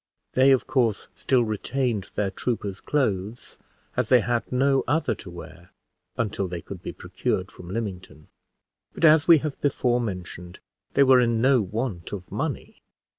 They, of course, still retained their troopers' clothes, as they had no other to wear until they could be procured from Lymington; but, as we have before mentioned, they were in no want of money.